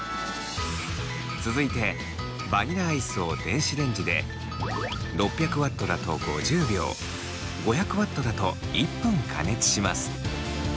続いてバニラアイスを電子レンジで６００Ｗだと５０秒５００Ｗだと１分加熱します。